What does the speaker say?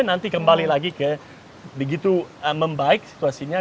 nanti kembali lagi ke begitu membaik situasinya